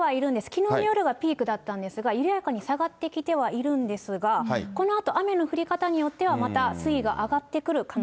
きのうの夜がピークだったんですが、緩やかに下がってきてはいるんですが、このあと雨の降り方によっては、また水位が上がってく